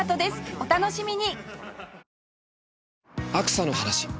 お楽しみに！